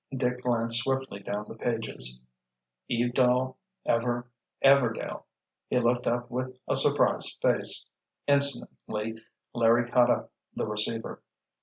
Dick glanced swiftly down the pages, "Evedall—Ever—Everdail!" he looked up with a surprised face. Instantly Larry caught up the receiver.